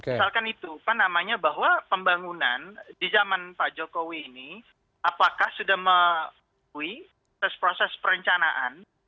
misalkan itu apa namanya bahwa pembangunan di zaman pak jokowi ini apakah sudah mengakui proses proses perencanaan